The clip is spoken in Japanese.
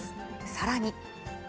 さらに。